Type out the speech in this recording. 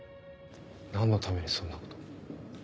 何のためにそんなことを？